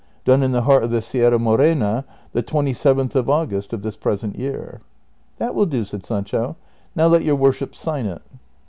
Done In the heart of the Sierra Morena, the twenty seventh of August of this present year." *" That will do," said Sancho; "now let your worship sign it."